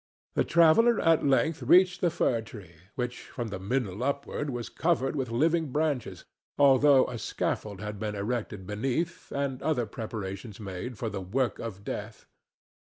The traveller at length reached the fir tree, which from the middle upward was covered with living branches, although a scaffold had been erected beneath, and other preparations made for the work of death.